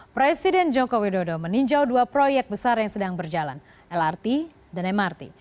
presiden joko widodo meninjau dua proyek besar yang sedang berjalan lrt dan mrt